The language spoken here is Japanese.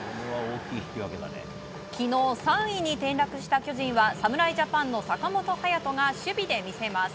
昨日３位に転落した巨人は侍ジャパンの坂本勇人が守備で魅せます。